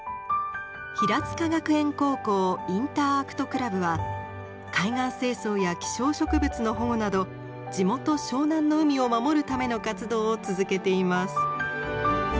平塚学園高校インターアクトクラブは海岸清掃や希少植物の保護など地元湘南の海を守るための活動を続けています。